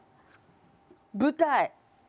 舞台！